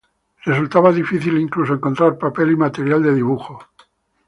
Resultaba difícil incluso encontrar papel y material de dibujo.